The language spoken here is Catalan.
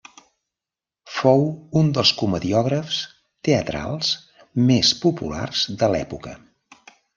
Fou un dels comediògrafs teatrals més populars de l'època.